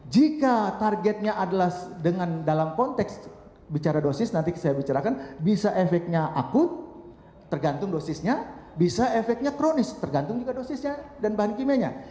jika targetnya adalah dengan dalam konteks bicara dosis nanti saya bicarakan bisa efeknya akut tergantung dosisnya bisa efeknya kronis tergantung juga dosisnya dan bahan kimianya